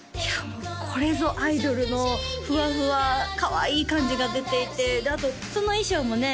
もうこれぞアイドルのふわふわかわいい感じが出ていてであとその衣装もね